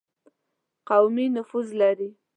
قومي نفوذ لري.